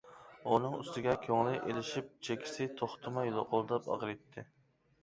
ئۇنىڭ ئۈستىگە كۆڭلى ئىلىشىپ، چېكىسى توختىماي لوقۇلداپ ئاغرىيتتى.